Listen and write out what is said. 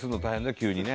急にね。